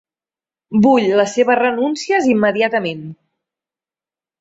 Vull les seves renúncies immediatament.